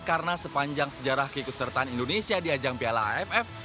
karena sepanjang sejarah keikutsertaan indonesia di ajang piala aff